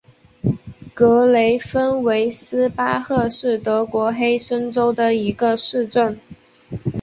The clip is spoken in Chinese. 格雷芬维斯巴赫是德国黑森州的一个市镇。